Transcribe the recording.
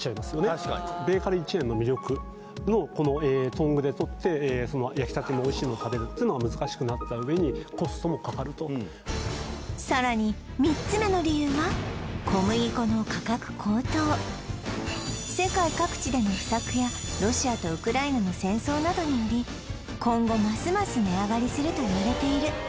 確かにベーカリーチェーンの魅力のトングで取ってその焼きたてのおいしいのを食べるっていうのは難しくなった上にさらに３つ目の理由はロシアとウクライナの戦争などにより今後ますます値上がりするといわれている